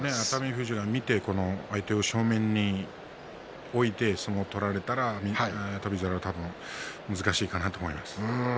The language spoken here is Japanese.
富士を見て正面に置いて相撲を取られたら翔猿は多分難しいかなと思います。